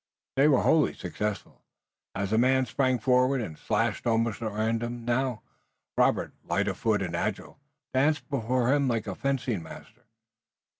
They were wholly successful as the man sprang forward, and slashed almost at random. Now, Robert, light of foot and agile, danced before him like a fencing master.